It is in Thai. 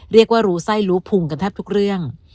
เรียกว่ารู้ไส้รู้พุงกันแทบทุกเรื่อง